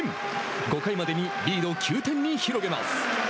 ５回までにリード９点に広げます。